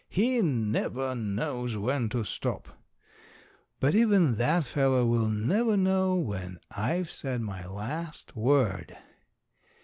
He never knows when to stop." But even that fellow will never know when I've said my last word!